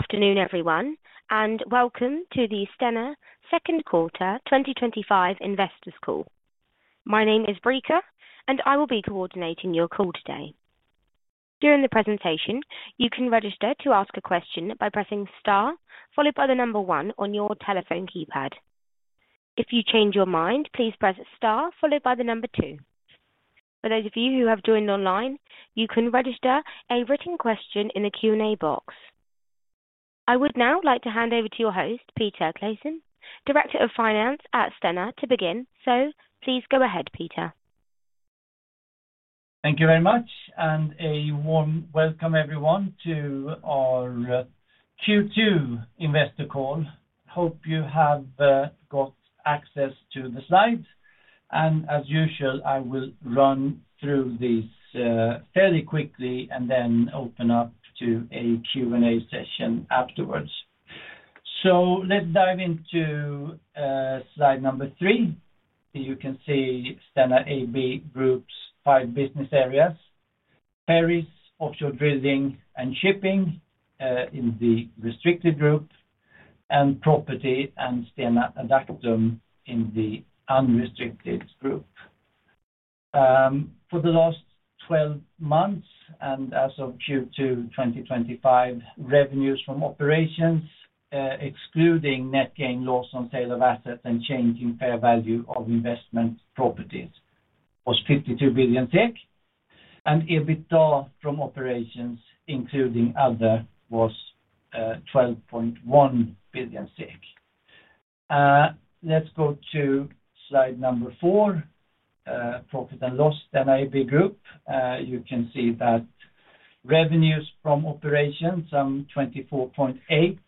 Afternoon, everyone, and welcome to the Stena Second Quarter twenty twenty five Investors Call. My name is Breeka, and I will be coordinating your call today. During the presentation, you can register to ask a question by pressing star followed by the number one on your telephone keypad. If you change your mind, please press star followed by the number 2. For those of you who have joined online, I would now like to hand over to your host, Peter Claesen, Director of Finance at Stena, to begin. So please go ahead, Peter. Thank you very much, and a warm welcome, everyone, to our Q2 investor call. Hope you have got access to the slides. And as usual, I will run through these, fairly quickly and then open up to a q and a session afterwards. So let's dive into, slide number three. You can see Stena AB Group's five business areas, ferries, offshore drilling and shipping, in the restricted group and property and Stena Adactrim in the unrestricted group. For the last twelve months and as of Q2 twenty twenty five, revenues from operations, excluding net gainloss on sale of and change in fair value of investment properties was 52,000,000,000 SEK. And EBITDA from operations, including other, was 12,100,000,000.0 SEK. Let's go to Slide number four, profit and loss, NIB Group. You can see that revenues from operations, some 24.8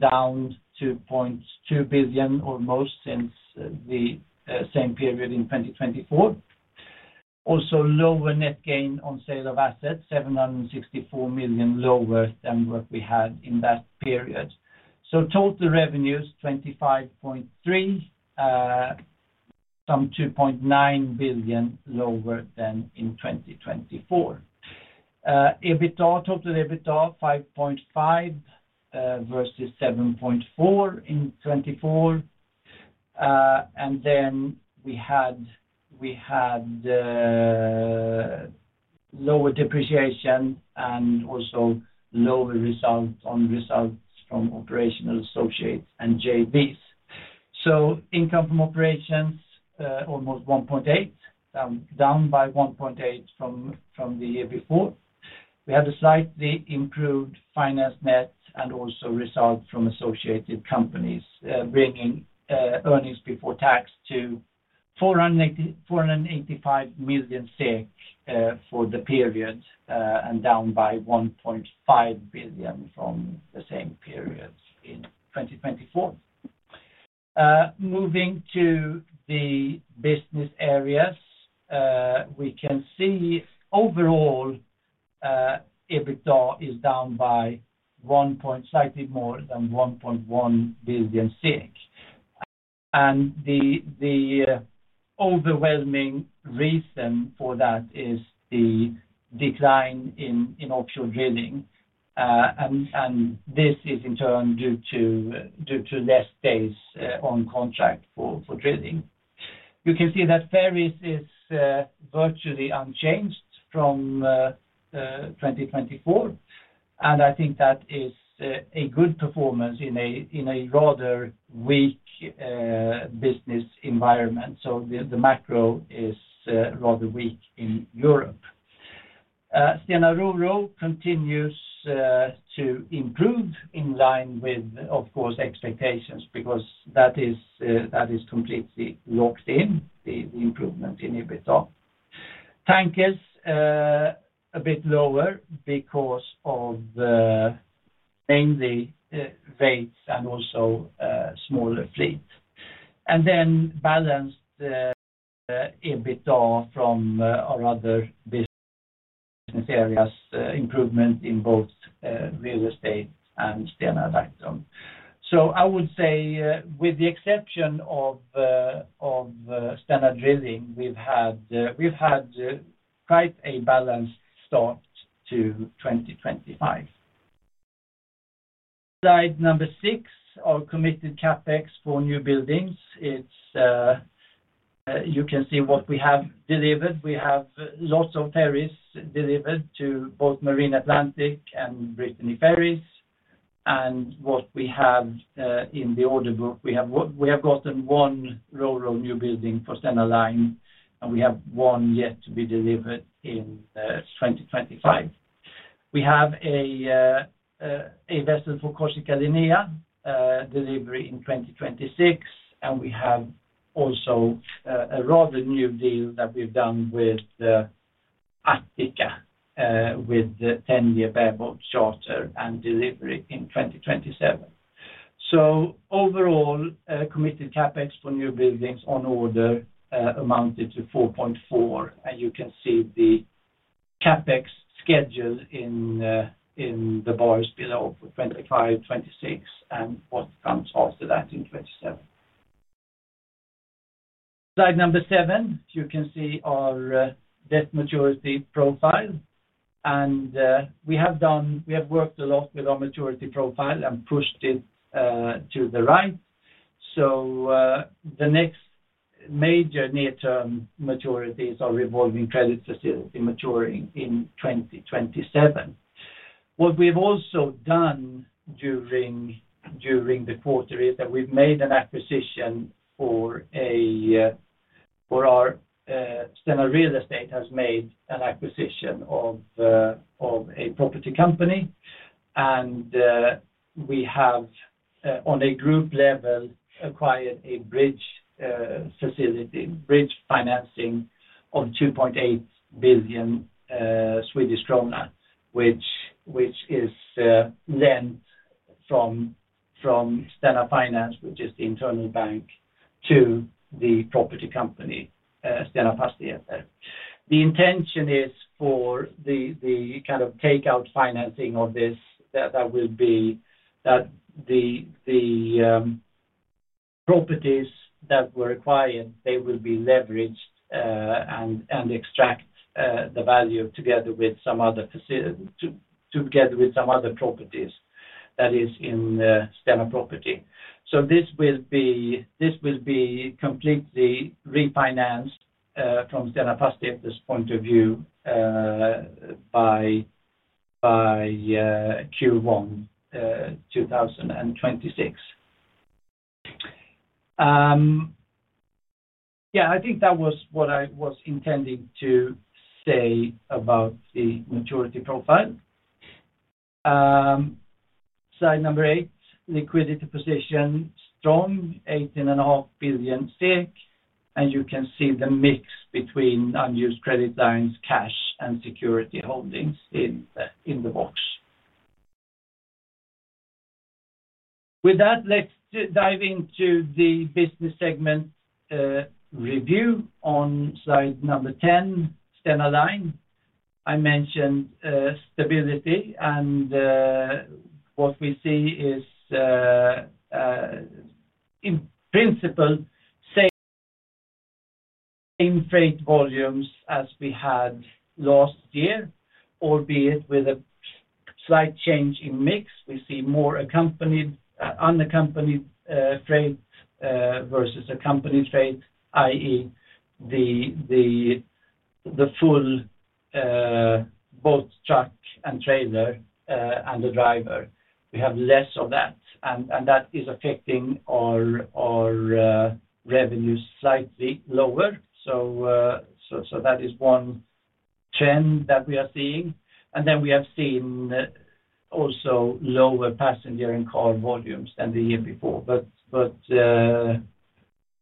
down 2,200,000,000.0 almost since the same period in 2024. Also lower net gain on sale of assets, $764,000,000 lower than what we had in that period. So total revenues, 25,300,000,000.0, some 2,900,000,000.0 lower than in 2024. EBITDA, total EBITDA, 5.5 versus 7.4 in '24. And then we had we had lower depreciation and also lower results on results from operational associates and JVs. So income from operations, almost 1.8%, down by 1.8% from the year before. We had a slightly improved finance net and also results from associated companies bringing earnings before tax to SEK $485,000,000 for the period and down by 1,500,000,000.0 from the same period in 2024. Moving to the business areas, we can see overall EBITDA is down by slightly more than 1,100,000,000.0. And the overwhelming reason for that is the decline in offshore drilling, and this is in turn due to less days on contract for drilling. You can see that ferries is virtually unchanged from 2024. And I think that is a good performance in a rather weak business environment. So the macro is rather weak in Europe. Sienna Roro continues to improve in line with, of course, expectations because that is completely locked in, the improvement in EBITDA. Tankers, a bit lower because of mainly rates and also smaller fleet. And then balanced EBITDA from our other business areas improvement in both real estate and Stena Dagton. So I would say, with the exception of Stena Drilling, we've had quite a balanced start to 2025. Slide number six, our committed CapEx for newbuildings. It's you can see what we have delivered. We have lots of ferries delivered to both Marine Atlantic and Brittany Ferries. And what we have, in the order book, we have gotten one RoRo newbuilding for Senna Line, and we have one yet to be delivered in 2025. We have a vessel for Kaushikalinia, delivery in 2026, and we have also a rather new deal that we've done with Atika with ten year bareboat charter and delivery in 2027. So overall, committed CapEx for newbuildings on order amounted to 4.4. And you can see the CapEx schedule in the bars below for 25%, 26% and what comes after that in 27%. Slide number seven, you can see our debt maturity profile. And we have done we have worked a lot with our maturity profile and pushed it to the right. So the next major near term maturities are revolving credit facility maturing in 2027. What we've also done during the quarter is that we've made an acquisition for our Stena Real Estate has made an acquisition of a property company. And we have, on a group level, acquired a bridge, facility, bridge financing of 2,800,000,000.0 Swedish krona, which is, lent from Stena Finance, which is the internal bank, to the property company, Stena Passi SF. The intention is for the kind of takeout financing of this that will be the properties that were acquired, they will be leveraged, and extract, the value together with some other properties that is in the Stena property. So this will be completely refinanced, from Stena plus Tepa's point of view by Q1 twenty twenty six. Yeah, think that was what I was intending to say about the maturity profile. Slide number eight, liquidity position, strong 18,500,000,000.0. And you can see the mix between unused credit lines, cash and security holdings in the box. With that, let's dive into the business segment review on Slide number 10, Stenaline. I mentioned stability. And what we see is in principle same freight volumes as we had last year, albeit with a slight change in mix, we see more unaccompanied freight, versus accompanied freight, I. E, the full both truck and trailer and the driver. We have less of that, and that is affecting our revenue slightly lower. So that is one trend that we are seeing. And then we have seen also lower passenger and car volumes than the year before, but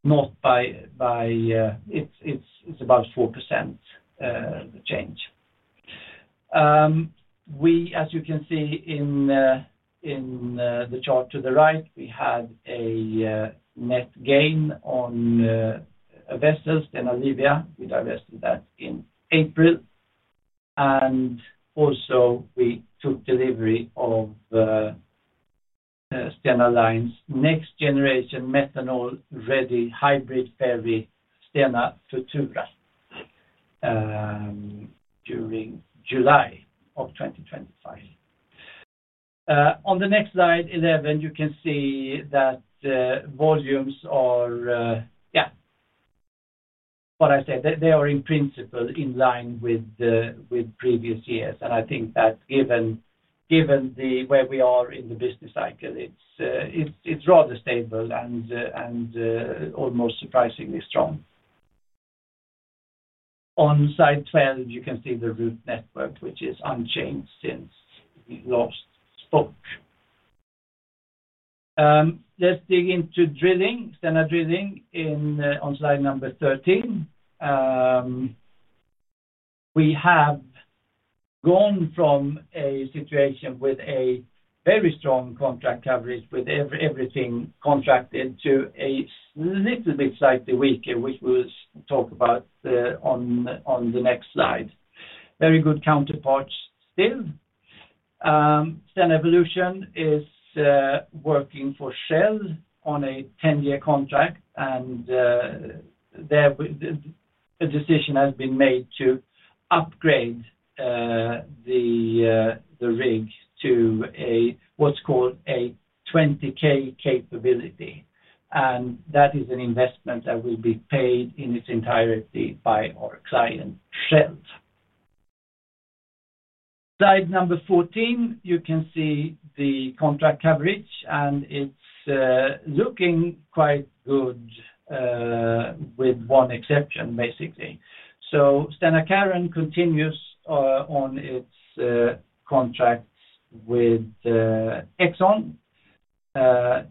not by it's about 4% change. We as you can see in the chart to the right, we had a net gain on vessels in Alivia. We divested that in April. And also we took delivery of Stena Line's next generation methanol ready hybrid ferry Stena Futura during July 2025. On the next Slide 11, you can see that volumes are yes, what I said, they are in principle in line with previous years. And I think that given the where we are in the business cycle, it's rather stable and almost surprisingly strong. On Slide 12, you can see the route network, which is unchanged since we last spoke. Let's dig into drilling, standard drilling in on Slide number 13. We have gone from a situation with a very strong contract coverage with everything contracted to a little bit slightly weaker, which we'll talk about on the next slide. Very good counterparts still. SenEvolution is working for Shell on a ten year contract, and there a decision has been made to upgrade the rig to what's called a 20 ks capability. And that is an investment that will be paid in its entirety by our client, Shelt. Slide number 14, you can see the contract coverage, and it's looking quite good, with one exception basically. So Stenacaran continues on its contracts with Exxon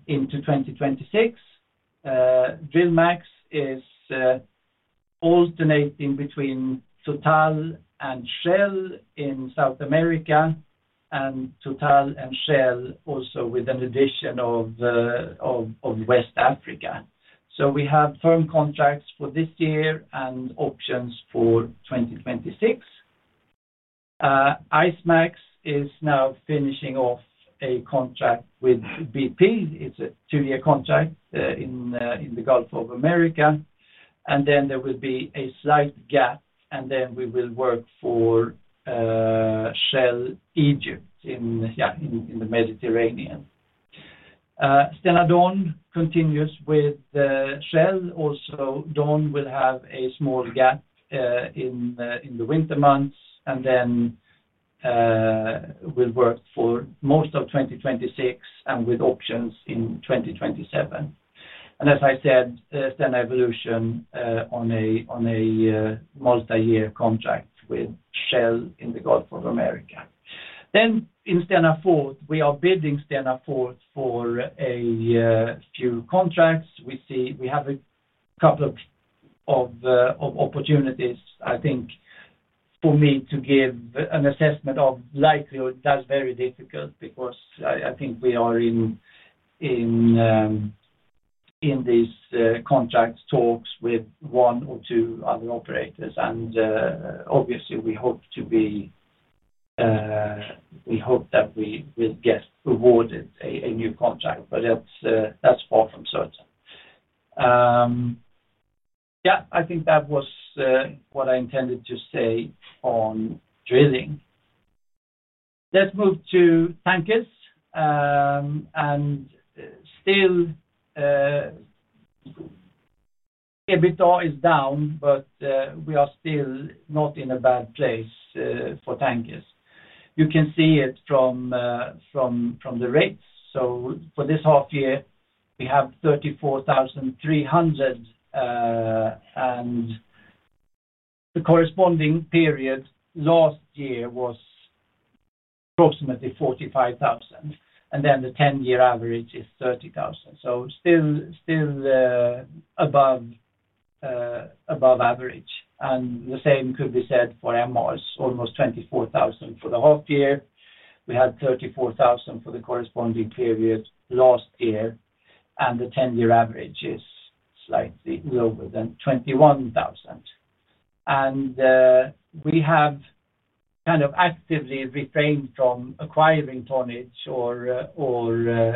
into 2026. Drillmax is alternating between Total and Shell in South America, and Total and Shell also with an addition of West Africa. So we have firm contracts for this year and options for 2026. IceMax is now finishing off a contract with BP. It's a two year contract in the Gulf Of America. And then there will be a slight gap, and then we will work for Shell Egypt in the Mediterranean. Stenadon continues with Shell. Also, Dawn will have a small gap in the winter months and then, will work for most of 2026 and with options in 2027. And as I said, there's an evolution on a multiyear contract with Shell in the Gulf Of America. Then in Stena Fort, we are building Stena Fort for a few contracts. We see we have a couple of opportunities, I think, for me to give an assessment of likelihood, that's very difficult because I think we are in these contracts talks with one or two other operators. And obviously, we hope to be we hope that we will get awarded a new contract, but that's far from certain. Yes, I think that was what I intended to say on drilling. Let's move to tankers. And still EBITDA is down, but we are still not in a bad place for tankers. You can see it from the rates. So for this half year, we have 34,300, and the corresponding period last year was approximately 45,000. And then the ten year average is 30,000. So still, above average. And the same could be said for MRs, almost 24,000 for the half year. We had 34,000 for the corresponding period last year. And the ten year average is slightly lower than 21,000. And we have kind of actively refrained from acquiring tonnage or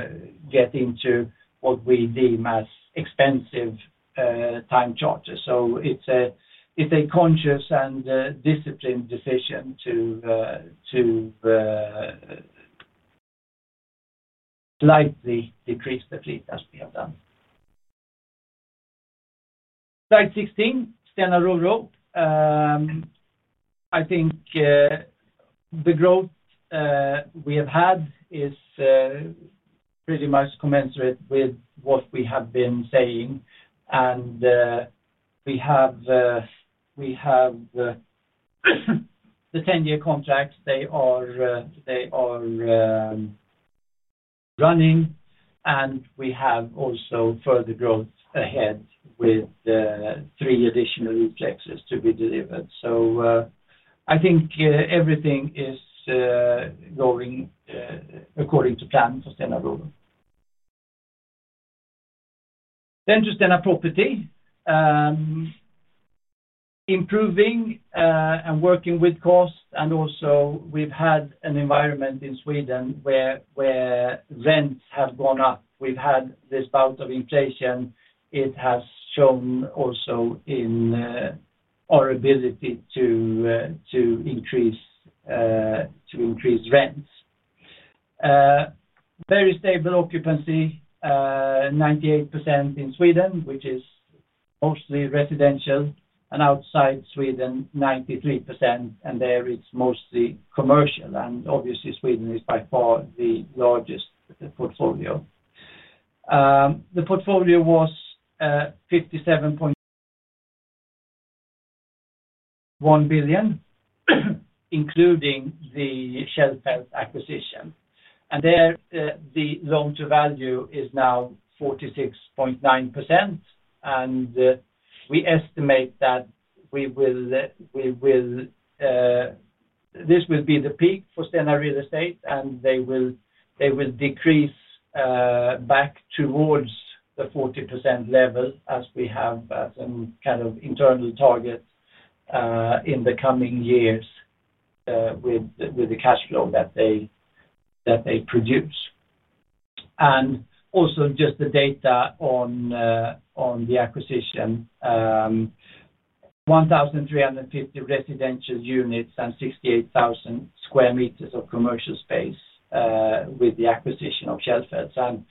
getting to what we deem as expensive, time charters. So it's a conscious and disciplined decision to slightly decrease the fleet as we have done. Slide 16, Stena Row Road. I think the growth we have had is pretty much commensurate with what we have been saying. And we have the ten year contracts, they are running. And we have also further growth ahead with three additional reflexes to be delivered. So I think everything is going according to plan for Stena Broden. Then just then on property, improving and working with costs. And also, we've had an environment in Sweden where rents have gone up. We've had this bout of inflation. It has shown also in our ability to increase rents. Very stable occupancy, 98% in Sweden, which is mostly residential and outside Sweden, 93%, and there it's mostly commercial. And obviously, Sweden is by far the largest portfolio. The portfolio was 57,100,000,000.0, including the Shell Health acquisition. And there, the long term value is now 46.9%, and we estimate that we will this will be the peak for Stena Real Estate, and they will decrease back towards the 40% level as we have some kind of internal targets in the coming years with the cash flow that they produce. And also just the data on the acquisition, thirteen fifty residential units and 68,000 square meters of commercial space with the acquisition of Shelfelt. And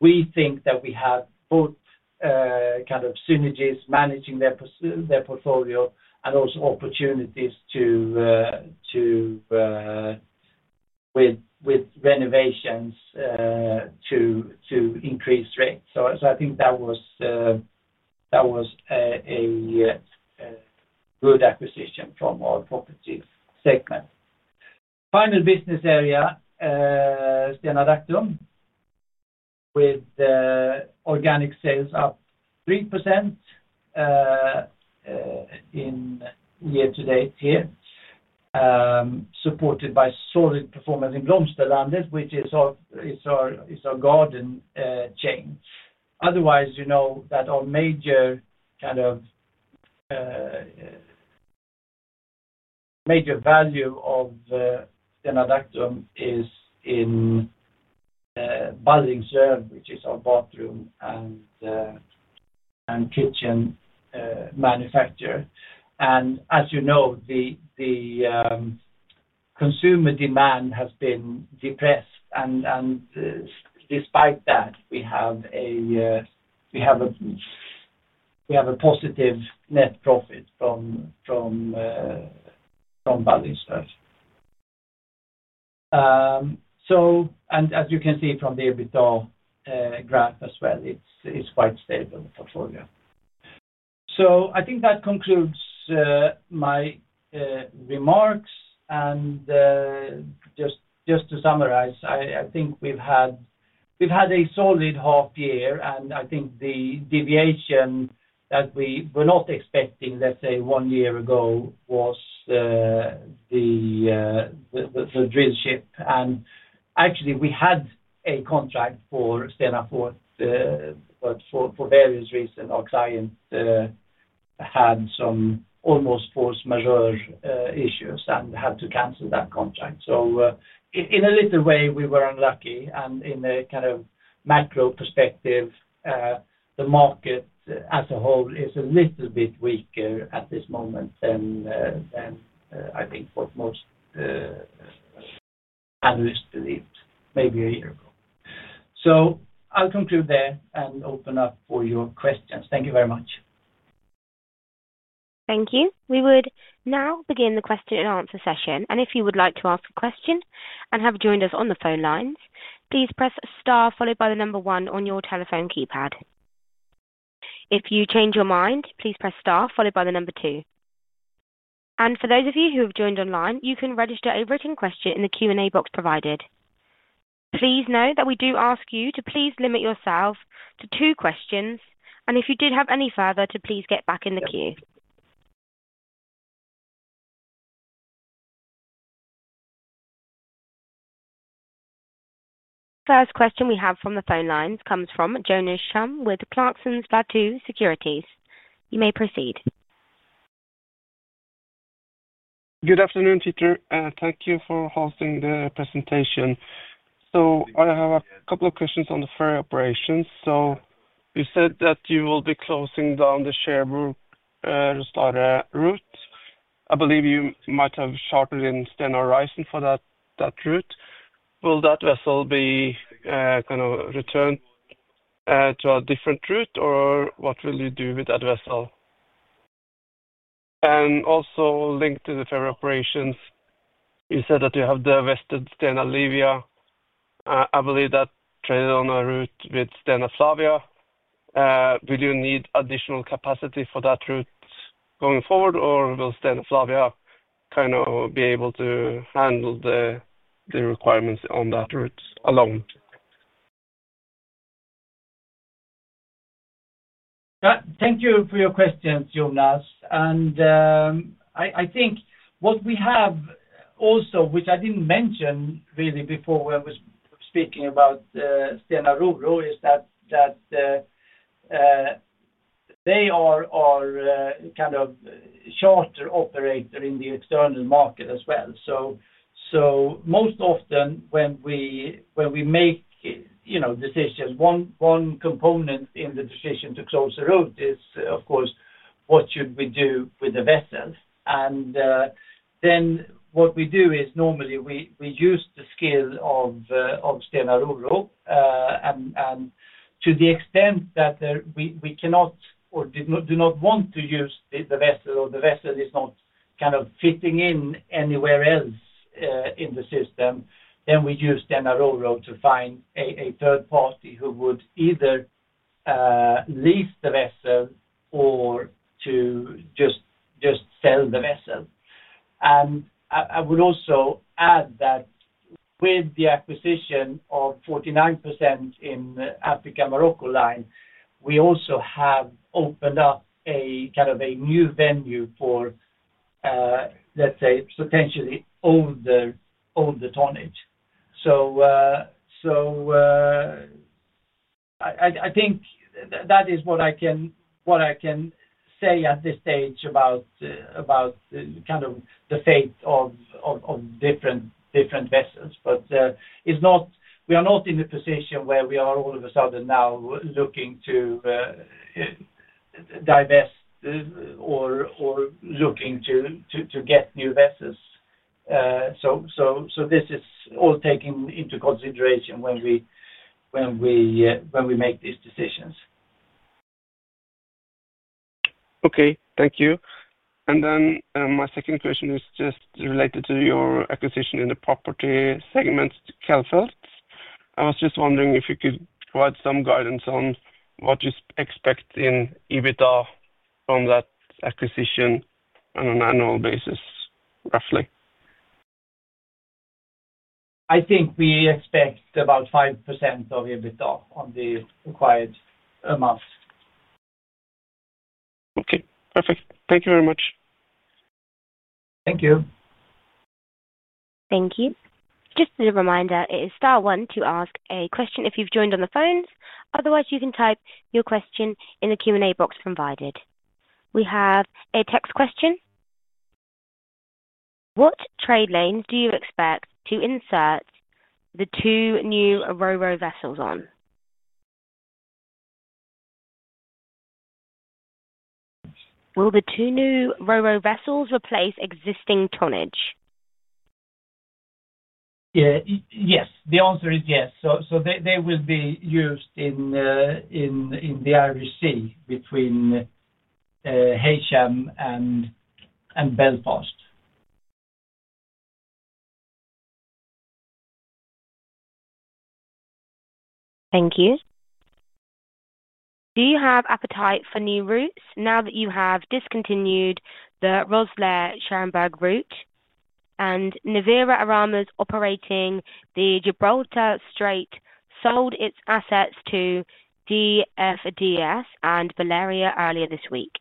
we think that we have both kind of synergies managing their portfolio and also opportunities with renovations to increase rates. So I think that was a good acquisition from our property segment. Final business area, Stena Dactylum, with organic sales up 3% year to date here, supported by solid performance in Gromsterlanders, which is our garden chain. Otherwise, know that our major kind of major value of Senadactrim is in Balding Serb, which is our bathroom and kitchen manufacturer. And as you know, the consumer demand has been depressed. And despite that, we have a positive net profit from Vale and Stars. So and as you can see from the EBITDA graph as well, it's quite stable portfolio. So I think that concludes my remarks. And just to summarize, I think we've had a solid half year, and I think the deviation that we were not expecting, let's say, one year ago was the drillship. And actually, we had a contract for Stenafort, but for various reasons, our clients had some almost force majeure issues and had to cancel that contract. So in a little way, we were unlucky. And in a kind of macro perspective, the market as a whole is a little bit weaker at this moment than I think what most analysts believe, maybe a year ago. So I'll conclude there and open up for your questions. Thank you very much. Thank you. We would now begin the question and answer session. And for those of you who have joined online, you can register a written question in the Q and A box provided. First question we have from the phone lines comes from Jonas Cham with Clarksons Batu Securities. You may proceed. Good afternoon, Peter, and thank you for hosting the presentation. So I have a couple of questions on the Ferro operations. So you said that you will be closing down the Cherbourg restart route. I believe you might have chartered in Standard Horizon for that route. Will that vessel be, kind of returned, to a different route? Or what will you do with that vessel? And also linked to the ferry operations, you said that you have divested Stena Livia. I believe that traded on a route with Stena Flavia. Would you need additional capacity for that route going forward? Or will Stenflavia kind of be able to handle the requirements on that route alone? Thank you for your questions, Jonas. And, I think what we have also, which I didn't mention really before when I was speaking about, stenarugro is that they are kind of charter operator in the external market as well. So most often, when we make decisions, one component in the decision to close the road is, of course, what should we do with the vessels. And then what we do is normally we use the scale of Stena Urugu. To the extent that we cannot or do not want to use the vessel or the vessel is not kind of fitting in anywhere else in the system, then we use Tenaroro to find a third party who would either, lease the vessel or to just sell the vessel. And I would also add that with the acquisition of 49% in Africa Morocco line, we also have opened up a kind of a new venue for, let's say, potentially older tonnage. So I think that is what I can say at this stage about kind of the fate of different vessels. But it's not we are not in a position where we are all of a sudden now looking to divest or looking to get new vessels. So this is all taken into consideration when we make these decisions. Okay. Thank you. And then my second question is just related to your acquisition in the property segment, Calfields. I was just wondering if you could provide some guidance on what you expect in EBITDA from that acquisition on an annual basis roughly? I think we expect about 5% of EBITDA on the required amount. Okay, perfect. Thank you very much. Thank you. Thank you. We have a text question. What trade lane do you expect to insert the two new RoRo vessels on? Will the two new RoRo vessels replace existing tonnage? Yes. The answer is yes. So they will be used in the IRGC between, and Belfast. Thank you. Do you have appetite for new routes now that you have discontinued the Roslair, Schoenberg route? And Nevira Arama is operating the Gibraltar Strait sold its assets to DFDS and Valeria earlier this week.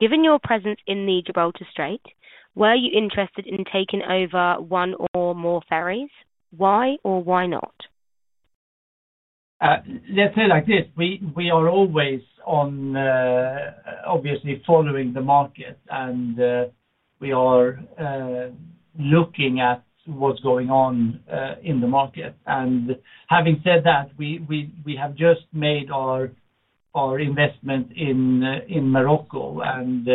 Given your presence in the Gibraltar Strait, were you interested in taking over one or more ferries? Why or why not? Let's say like this, we are always on obviously following the market, and we are looking at what's going on in the market. And having said that, we have just made our investment in Morocco. And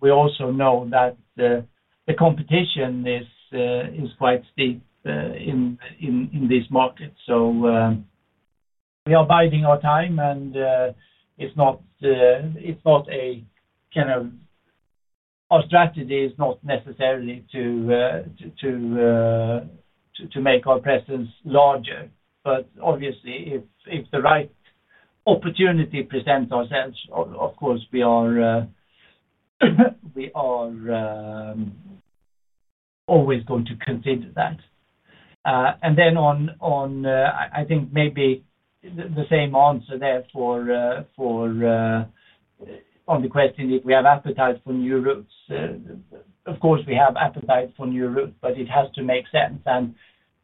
we also know that the competition is quite steep in this market. So we are biding our time, and it's not a kind of our strategy is not necessarily to make our presence larger. But obviously, if the right opportunity presents ourselves, of course, we are always going to consider that. And then on I think maybe the same answer there for on the question if we have appetite for new routes. Of course, we have appetite for new routes, but it has to make sense. And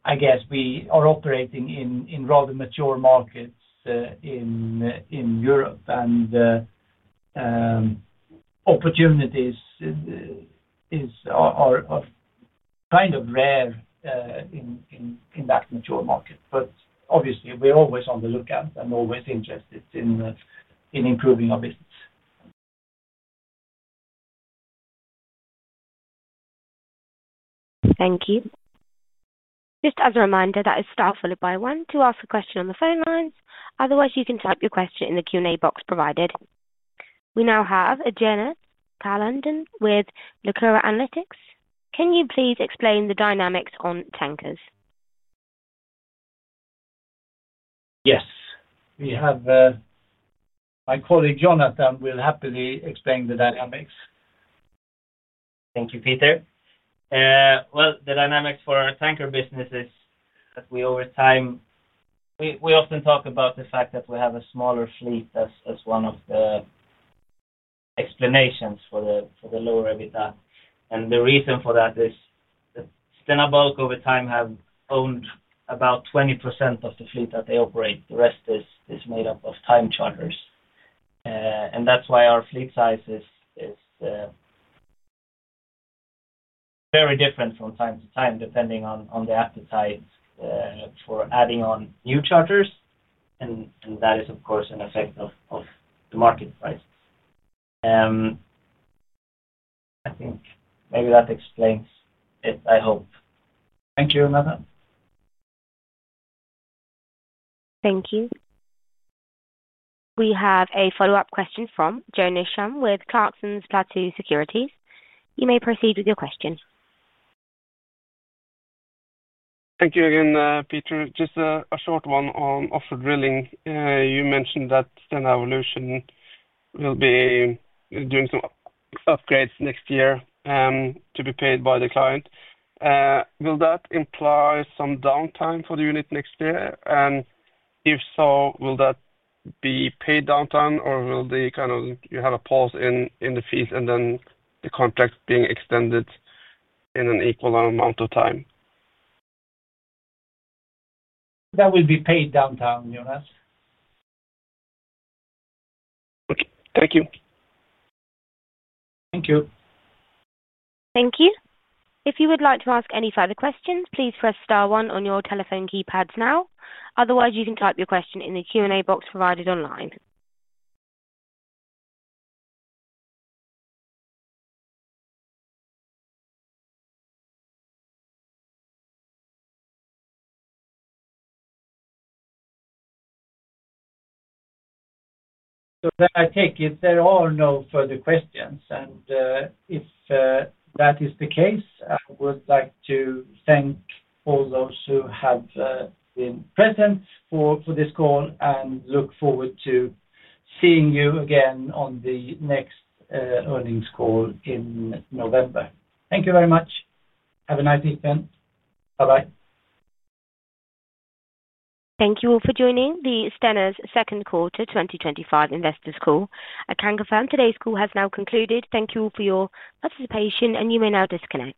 I guess we are operating in rather mature markets in Europe. And opportunities are kind of rare in that mature market. But obviously, we're always on the lookout and always interested in improving our business. Thank you. We now have Adjana Kalandan with Lucora Analytics. Can you please explain the dynamics on tankers? Yes. We have my colleague Jonathan will happily explain the dynamics. Thank you, Peter. Well, the dynamics for our tanker business is that we over time we often talk about the fact that we have a smaller fleet as one of the explanations for the lower EBITDA. And the reason for that is Stena Bulk over time have owned about 20% of the fleet that they operate. The rest is made up of time charters. And that's why our fleet size is very different from time to time depending on the appetite for adding on new charters. And that is of course an effect of the market price. I think maybe that explains it, I hope. Thank you, Nada. Thank you. We have a follow-up question from Jonas Sham with Clarksons Platou Securities. You may proceed with your question. Thank you again, Peter. Just a short one on offshore drilling. You mentioned that Stenovolution will be doing some upgrades next year to be paid by the client. Will that imply some downtime for the unit next year? And if so, will that be paid downtime? Or will they kind of you have a pause in the fees and then the contract being extended in an equal amount of time? That will be paid downtown Jonas. Okay. Thank you. Thank you. Thank you. So that I take it. There are no further questions. And if that is the case, I would like to thank all those who have been present for this call and look forward to seeing you again on the next earnings call in November. Thank you very much. Have a nice weekend. Bye bye. Thank you all for joining the Stennis Second Quarter twenty twenty five Investors Call. I can confirm today's call has now concluded. Thank you for your participation, and you may now disconnect.